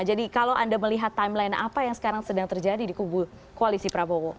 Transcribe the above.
jadi kalau anda melihat timeline apa yang sekarang sedang terjadi di kubur koalisi prabowo